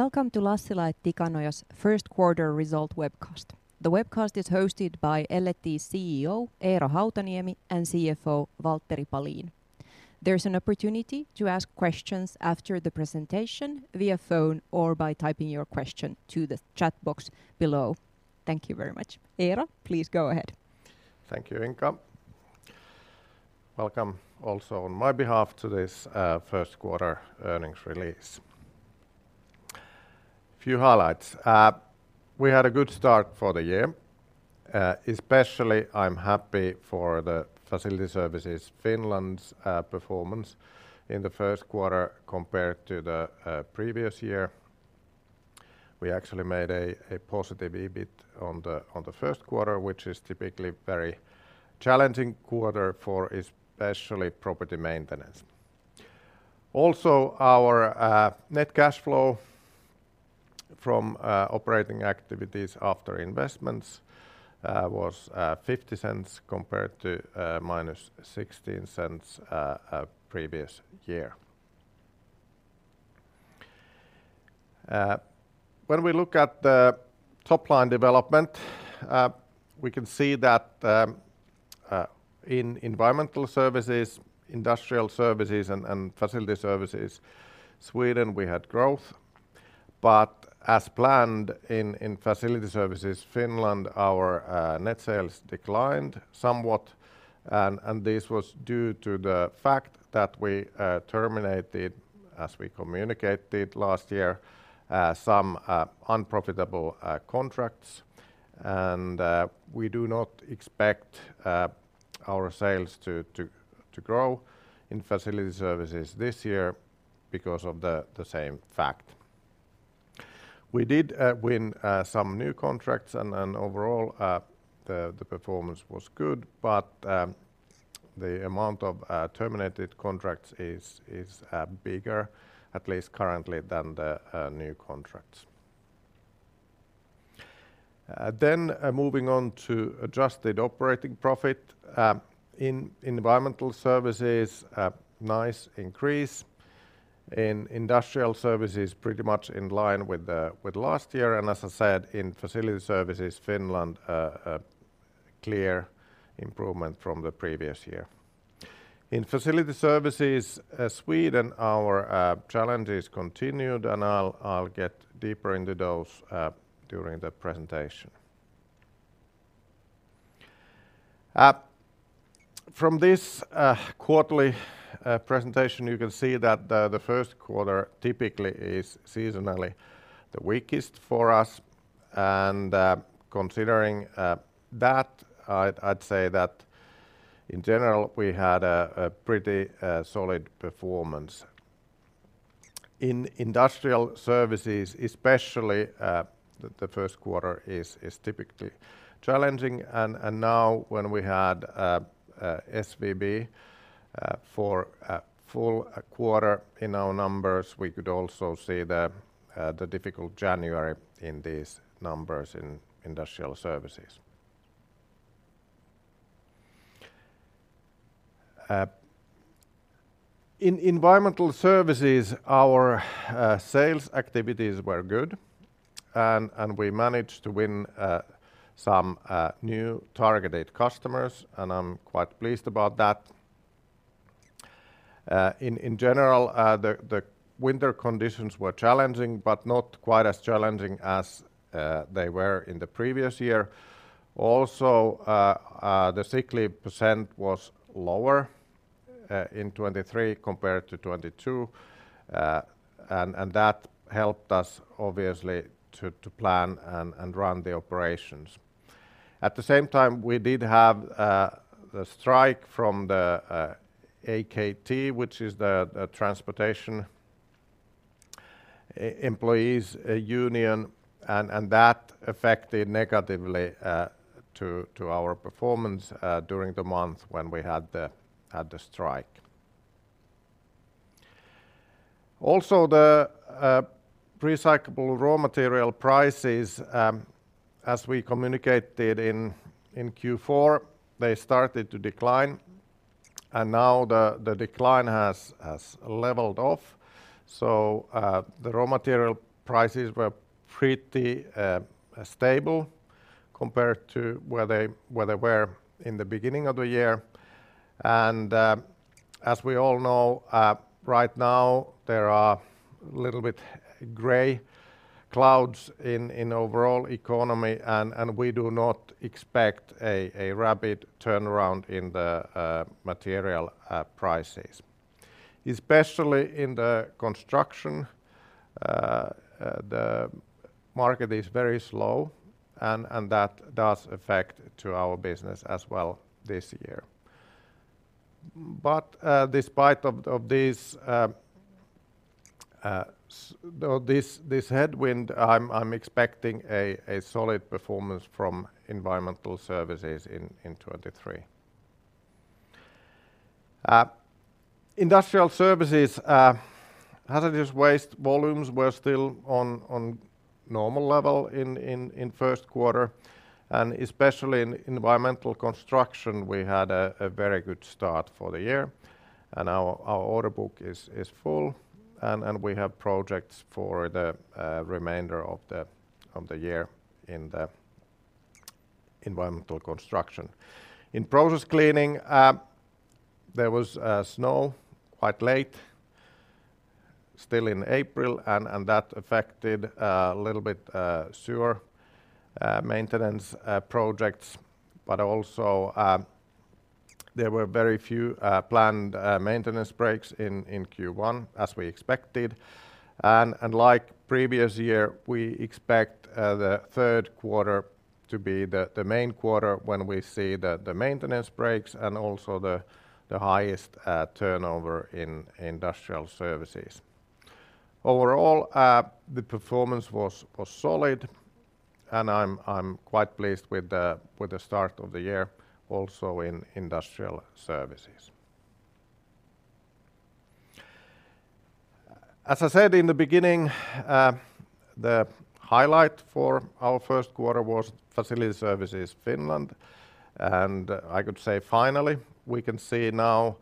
Welcome to Lassila & Tikanoja's first quarter result webcast. The webcast is hosted by L&T CEO Eero Hautaniemi and CFO Valtteri Palin. There's an opportunity to ask questions after the presentation via phone or by typing your question to the chat box below. Thank you very much. Eero, please go ahead. Thank you, Inka. Welcome also on my behalf to this first quarter earnings release. Few highlights. We had a good start for the year. Especially I'm happy for the Facility Services Finland's performance in the first quarter compared to the previous year. We actually made a positive EBIT on the first quarter, which is typically very challenging quarter for especially property maintenance. Also, our net cash flow from operating activities after investments was 0.50 compared to -0.16 previous year. When we look at the top line development, we can see that in Environmental Services, Industrial Services and Facility Services Sweden, we had growth. As planned in Facility Services Finland, our net sales declined somewhat and this was due to the fact that we terminated, as we communicated last year, some unprofitable contracts and we do not expect our sales to grow in Facility Services this year because of the same fact. We did win some new contracts and overall the performance was good but the amount of terminated contracts is bigger at least currently than the new contracts. Moving on to adjusted operating profit. In Environmental Services, a nice increase. In Industrial Services, pretty much in line with last year and as I said in Facility Services Finland, a clear improvement from the previous year. In Facility Services Sweden, our challenges continued and I'll get deeper into those during the presentation. From this quarterly presentation you can see that the first quarter typically is seasonally the weakest for us and considering that I'd say that in general we had a pretty solid performance. In Industrial Services especially, the first quarter is typically challenging and now when we had SVB for a full quarter in our numbers we could also see the difficult January in these numbers in Industrial Services. In Environmental Services our sales activities were good and we managed to win some new targeted customers and I'm quite pleased about that. In general, the winter conditions were challenging but not quite as challenging as they were in the previous year. Also, the sick leave % was lower in 2023 compared to 2022, and that helped us obviously to plan and run the operations. At the same time we did have the strike from the AKT which is the transportation employees union, and that affected negatively to our performance during the month when we had the strike. Also the recyclable raw material prices, as we communicated in Q4, they started to decline and now the decline has leveled off. The raw material prices were pretty stable compared to where they were in the beginning of the year. As we all know, right now there are little bit gray clouds in overall economy, and we do not expect a rapid turnaround in the material prices. Especially in the construction, the market is very slow and that does affect to our business as well this year. Despite of these, so this headwind, I'm expecting a solid performance from Environmental Services in 2023. Industrial Services, hazardous waste volumes were still on normal level in first quarter and especially in environmental construction, we had a very good start for the year, and our order book is full and we have projects for the remainder of the year in the environmental construction. In process cleaning, there was snow quite late still in April, and that affected a little bit sewer maintenance projects, but also, there were very few planned maintenance breaks in Q1 as we expected. Unlike previous year, we expect the third quarter to be the main quarter when we see the maintenance breaks and also the highest turnover in Industrial Services. Overall, the performance was solid and I'm quite pleased with the start of the year also in Industrial Services. As I said in the beginning, the highlight for our first quarter was Facility Services Finland, and I could say finally we can see now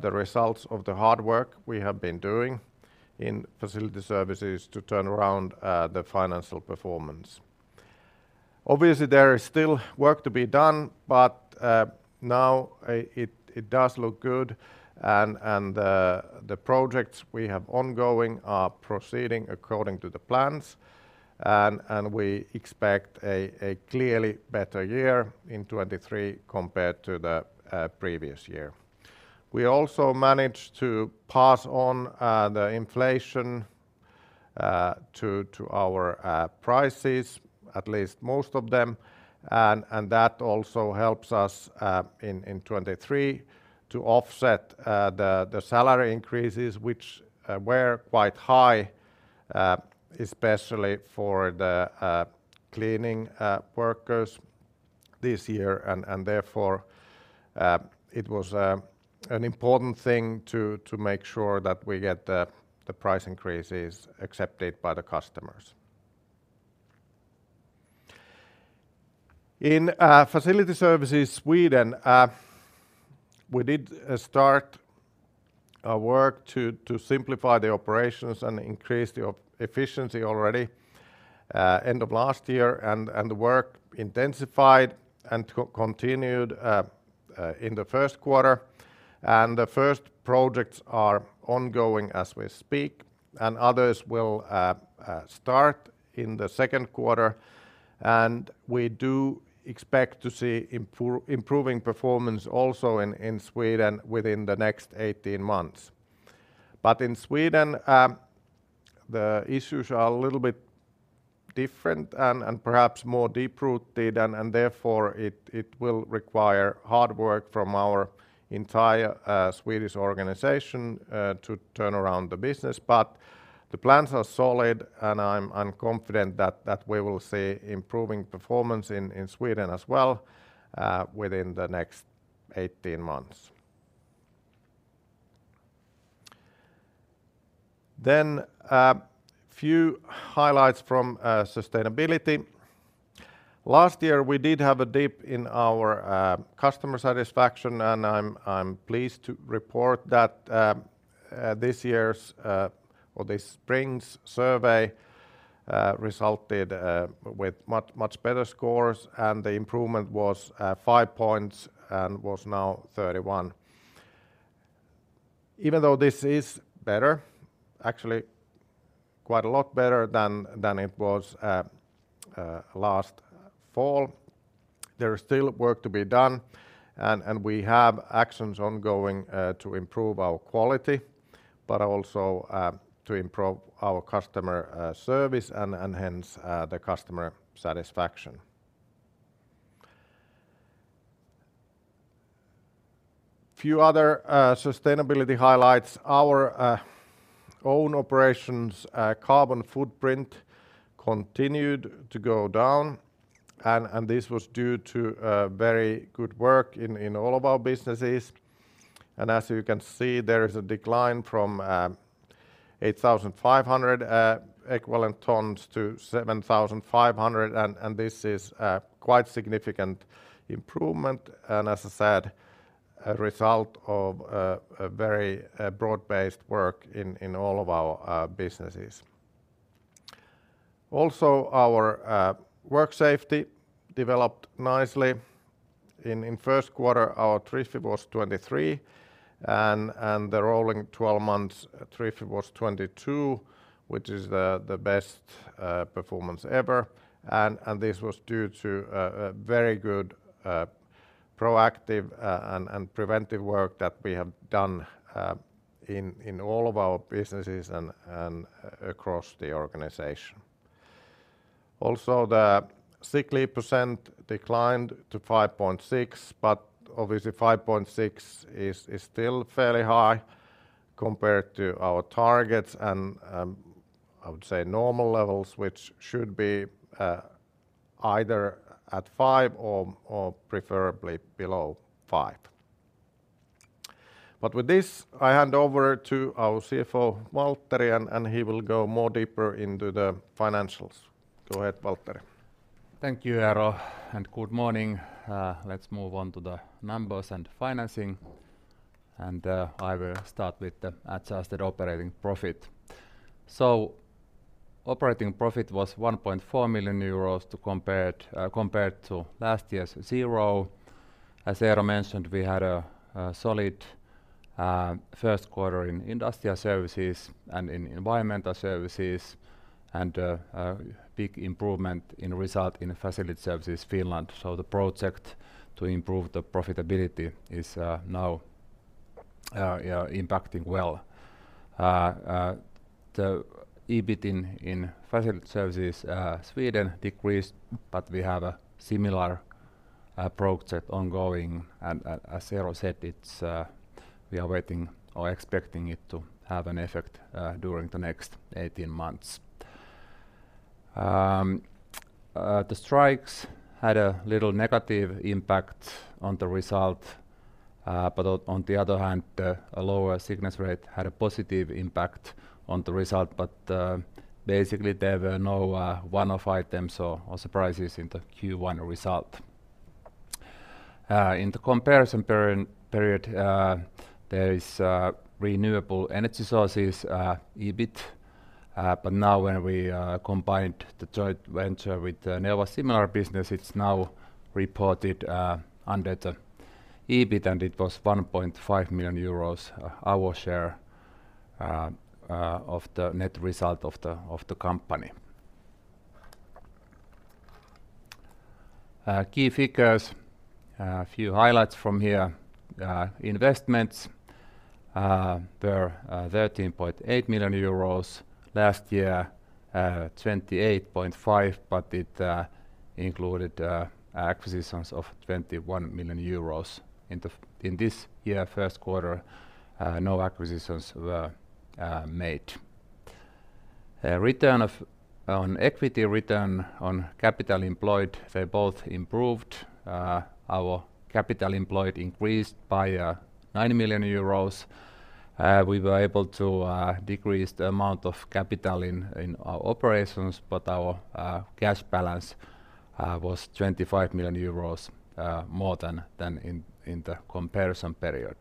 the results of the hard work we have been doing in Facility Services to turn around the financial performance. Obviously, there is still work to be done, but now it does look good and the projects we have ongoing are proceeding according to the plans. We expect a clearly better year in 2023 compared to the previous year. We also managed to pass on the inflation to our prices, at least most of them, and that also helps us in 2023 to offset the salary increases which were quite high, especially for the cleaning workers this year and therefore, it was an important thing to make sure that we get the price increases accepted by the customers. In Facility Services Sweden, we did start our work to simplify the operations and increase the efficiency already end of last year, and the work intensified and continued in the first quarter. The first projects are ongoing as we speak, and others will start in the second quarter. We do expect to see improving performance also in Sweden within the next 18 months. In Sweden, the issues are a little bit different and perhaps more deep-rooted and therefore it will require hard work from our entire Swedish organization to turn around the business. The plans are solid and I'm confident that we will see improving performance in Sweden as well, within the next 18 months. Few highlights from sustainability. Last year we did have a dip in our customer satisfaction, and I'm pleased to report that this year's or this spring's survey resulted with much better scores and the improvement was 5 points and was now 31. Even though this is better, actually quite a lot better than it was last fall, there is still work to be done and we have actions ongoing to improve our quality, but also to improve our customer service and hence the customer satisfaction. Few other sustainability highlights. Our own operations carbon footprint continued to go down and this was due to very good work in all of our businesses. As you can see, there is a decline from 8,500 equivalent tons to 7,500 and this is a quite significant improvement, and as I said, a result of a very broad-based work in all of our businesses. Our work safety developed nicely. In first quarter, our TRIF was 23 and the rolling 12 months TRIF was 22, which is the best performance ever, and this was due to very good proactive and preventive work that we have done in all of our businesses and across the organization. Also, the sick leave % declined to 5.6, but obviously 5.6 is still fairly high compared to our targets and I would say normal levels, which should be either at 5% or preferably below 5%. With this, I hand over to our CFO Valtteri, and he will go more deeper into the financials. Go ahead, Valtteri. Thank you, Eero, and good morning. Let's move on to the numbers and financing, and I will start with the adjusted operating profit. Operating profit was 1.4 million euros compared to last year's 0. As Eero mentioned, we had a solid first quarter in Industrial Services and in Environmental Services and a big improvement in result in Facility Services Finland. The project to improve the profitability is now impacting well. The EBIT in Facility Services Sweden decreased, but we have a similar approach that ongoing, and as Eero said, it's we are waiting or expecting it to have an effect during the next 18 months. The strikes had a little negative impact on the result, but on the other hand, a lower sickness rate had a positive impact on the result. Basically, there were no one-off items or surprises in the Q1 result. In the comparison period, there is Renewable Energy Sources EBIT, but now when we combined the joint venture with Neova similar business, it's now reported under the EBIT, and it was 1.5 million euros our share of the net result of the company. Key figures, a few highlights from here. Investments were 13.8 million euros. Last year, 28.5 million, but it included acquisitions of 21 million euros. In this year first quarter, no acquisitions were made. Return on equity, return on capital employed, they both improved. Our capital employed increased by 90 million euros. We were able to decrease the amount of capital in our operations, but our cash balance was 25 million euros more than in the comparison period.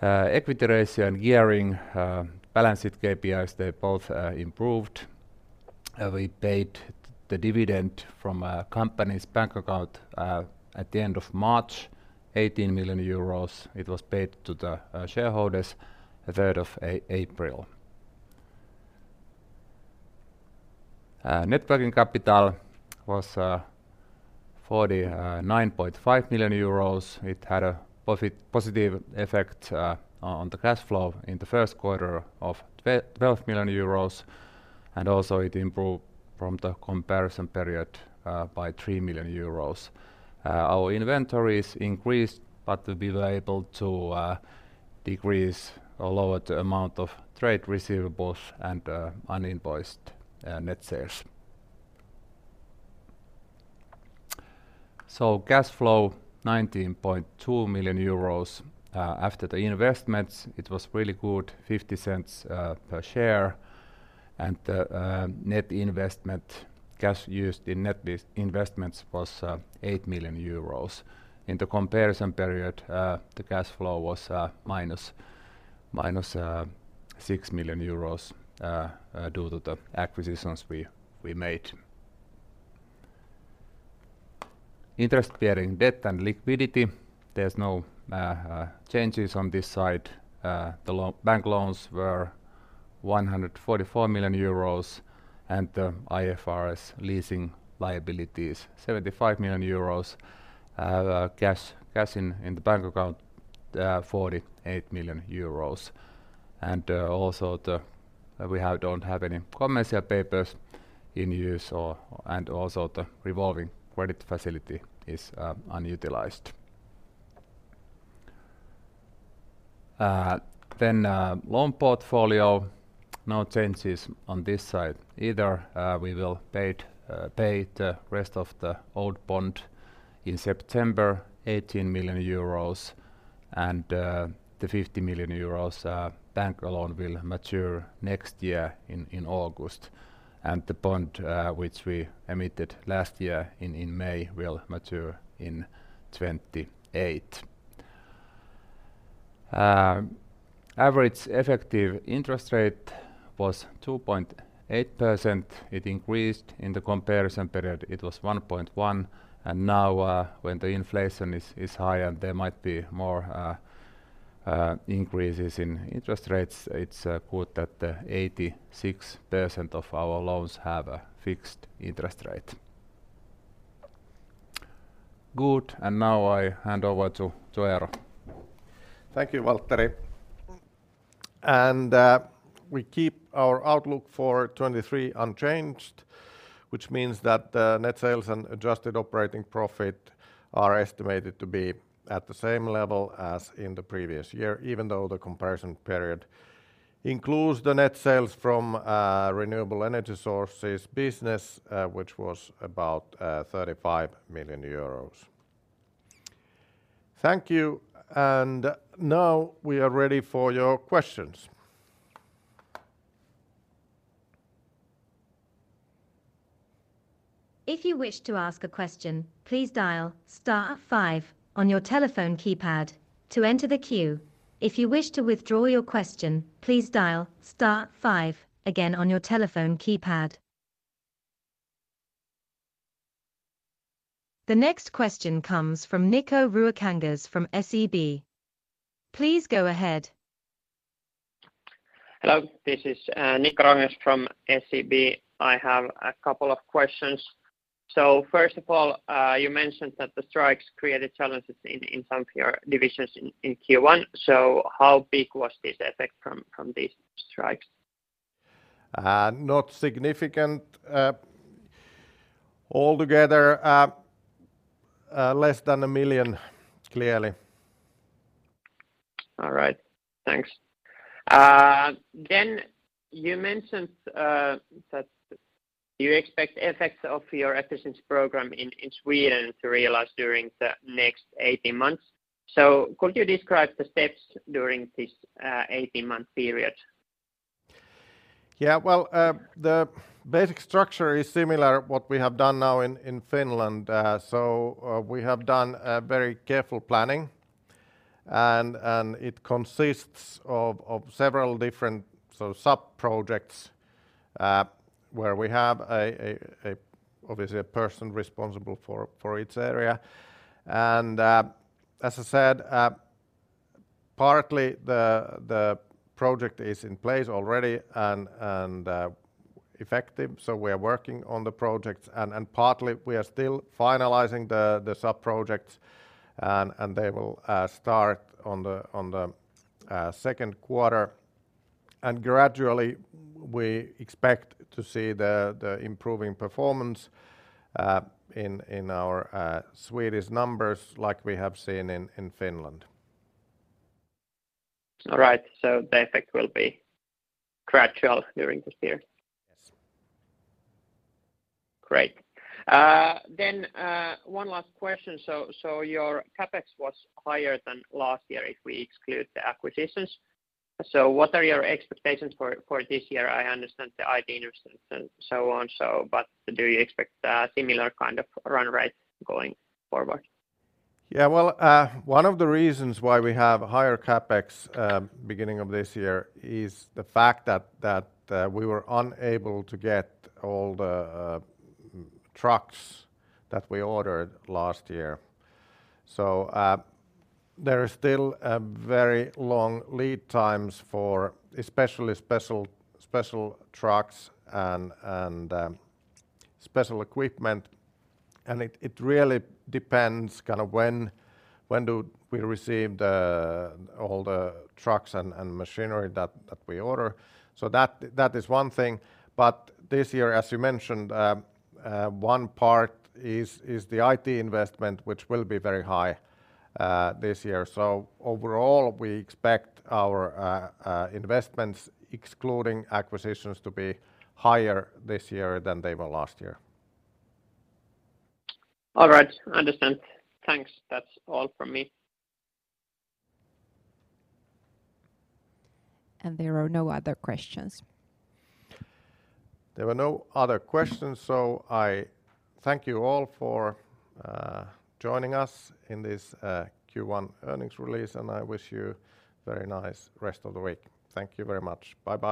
Equity ratio and gearing, balance sheet KPIs, they both improved. We paid the dividend from company's bank account at the end of March, 18 million euros. It was paid to the shareholders the third of April. Net working capital was 49.5 million euros. It had a positive effect on the cash flow in the first quarter of 12 million euros, and also it improved from the comparison period by 3 million euros. Our inventories increased, but we were able to decrease or lower the amount of trade receivables and uninvoiced net sales. Cash flow, 19.2 million euros. After the investments, it was really good, 0.50 per share. The net investment, cash used in net investments was 8 million euros. In the comparison period, the cash flow was minus 6 million euros due to the acquisitions we made. Interest-bearing debt and liquidity, there's no changes on this side. The bank loans were 144 million euros, and the IFRS leasing liabilities, 75 million euros. Cash in the bank account, 48 million euros. Also, we don't have any commercial papers in use or the revolving credit facility is unutilized. Loan portfolio, no changes on this side either. We will pay the rest of the old bond in September, 18 million euros. The 50 million euros bank loan will mature next year in August. The bond which we emitted last year in May will mature in 2028. Average effective interest rate was 2.8%. It increased. In the comparison period, it was 1.1%. Now, when the inflation is high and there might be more, increases in interest rates, it's, good that the 86% of our loans have a fixed interest rate. Good. Now I hand over to Eero. Thank you, Valtteri. We keep our outlook for 2023 unchanged, which means that the net sales and adjusted operating profit are estimated to be at the same level as in the previous year, even though the comparison period includes the net sales from Renewable Energy Sources business, which was about 35 million euros. Thank you. Now we are ready for your questions. If you wish to ask a question, please dial star five on your telephone keypad to enter the queue. If you wish to withdraw your question, please dial star five again on your telephone keypad. The next question comes from Nikko Ruokangas from SEB. Please go ahead. Hello, this is Nikko Ruokangas from SEB. I have a couple of questions. First of all, you mentioned that the strikes created challenges in some of your divisions in Q1. How big was this effect from these strikes? Not significant. Altogether, less than 1 million, clearly. All right. Thanks. You mentioned that you expect effects of your efficiency program in Sweden to realize during the next 18 months. Could you describe the steps during this 18-month period? Well, the basic structure is similar what we have done now in Finland. We have done a very careful planning and it consists of several different sort of sub-projects, where we have obviously a person responsible for each area. As I said, partly the project is in place already and effective, so we are working on the projects. Partly we are still finalizing the sub-projects and they will start on the second quarter. Gradually we expect to see the improving performance in our Swedish numbers like we have seen in Finland. All right. The effect will be gradual during this year. Yes. Great. One last question. Your CapEx was higher than last year if we exclude the acquisitions. What are your expectations for this year? I understand the IT investments and so on, do you expect a similar kind of run rate going forward? Yeah. Well, one of the reasons why we have higher CapEx beginning of this year is the fact that we were unable to get all the trucks that we ordered last year. There is still very long lead times for especially special trucks and special equipment, and it really depends kind of when do we receive the, all the trucks and machinery that we order. That is one thing. This year, as you mentioned, one part is the IT investment, which will be very high this year. Overall, we expect our investments, excluding acquisitions, to be higher this year than they were last year. All right. Understand. Thanks. That's all from me. There are no other questions. There are no other questions. I thank you all for joining us in this Q1 earnings release, and I wish you very nice rest of the week. Thank you very much. Bye-bye.